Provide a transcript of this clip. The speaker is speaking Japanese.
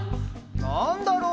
「なんだろう？」